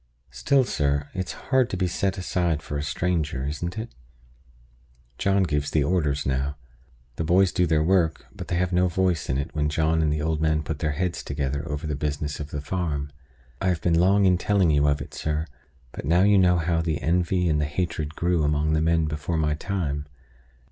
Still, sir, it's hard to be set aside for a stranger; isn't it? John gives the orders now. The boys do their work; but they have no voice in it when John and the old man put their heads together over the business of the farm. I have been long in telling you of it, sir, but now you know how the envy and the hatred grew among the men before my time.